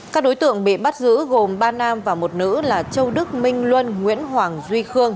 các đối tượng bị bắt giữ gồm ba nam và một nữ là châu đức minh luân nguyễn hoàng duy khương